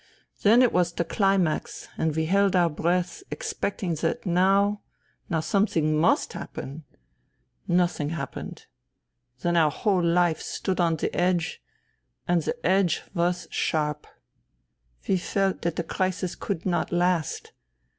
Then it was the climax, and we held our breath expecting that now ... now something must happen. Nothing happened. Then our whole life stood on edge, and the edge was sharp. We felt that the crisis could not last.